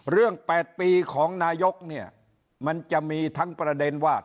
เรื่อง๘ปีของนายกมันจะมีทั้งประเด็นว่า